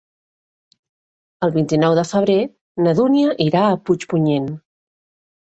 El vint-i-nou de febrer na Dúnia irà a Puigpunyent.